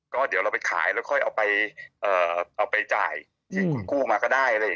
ก็เดี๋ยวเราไปขายแล้วค่อยเอาไปจ่ายที่คุณกู้มาก็ได้